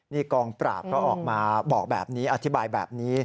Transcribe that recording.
นี่กองปราบเขาออกมาบอกแบบนี้อธิบายแบบนี้